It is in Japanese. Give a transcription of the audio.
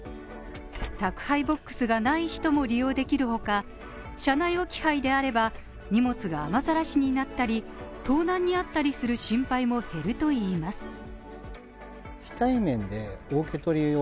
宅配ボックスがない人も利用できる他、車内置き配であれば荷物が雨ざらしになったり盗難に遭ったりする心配も減るといいます。